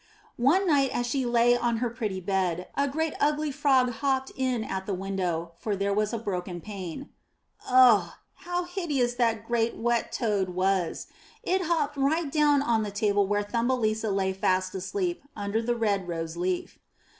One night as she lay in her pretty bed, a great ugly frog hopped in at the window, for there was a broken pane. Ugh ! how hideous that great, wet toad was; it hopped right down on to the table where Thumbelisa lay fast asleep, under the red rose leaf.